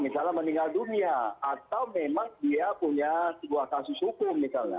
misalnya meninggal dunia atau memang dia punya sebuah kasus hukum misalnya